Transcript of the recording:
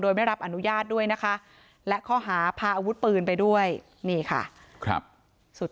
โดยไม่รับอนุญาตด้วยนะคะและข้อหาพาอาวุธปืนไปด้วยนี่ค่ะครับสุด